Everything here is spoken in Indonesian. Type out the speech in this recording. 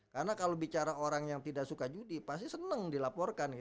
karena kalau bicara orang yang tidak suka judi pasti senang dilaporkan